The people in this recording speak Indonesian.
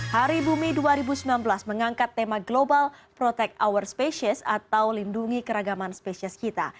hari bumi dua ribu sembilan belas mengangkat tema global protect hour species atau lindungi keragaman spesies kita